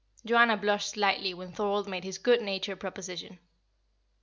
Joanna blushed slightly when Thorold made his good natured proposition.